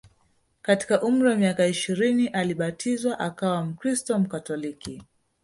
Katika umri wa miaka ishirini alibatizwa akawa mkristo Mkatoliki